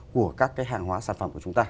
của các cái hàng hóa sản phẩm của chúng ta